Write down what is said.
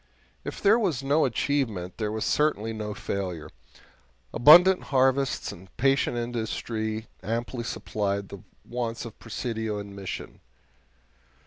If there was no achievement, there was certainly no failure. Abundant harvests and patient industry amply supplied the wants of Presidio and Mission.